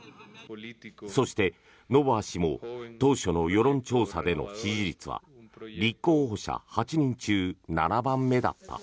そして、ノボア氏も当初の世論調査での支持率は立候補者８人中７番目だった。